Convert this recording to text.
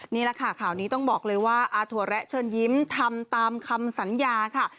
นี่แหละค่ะข่าวนี้ต้องบอกเลยว่าอาถั่วแระเชิญยิ้มทำตามคำสัญญาค่ะ